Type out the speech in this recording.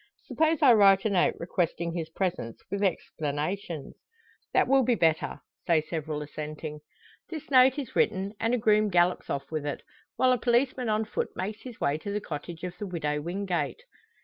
Suppose I write a note requesting his presence, with explanations?" "That will be better," say several assenting. This note is written, and a groom gallops off with it; while a policeman on foot makes his way to the cottage of the Widow Wingate.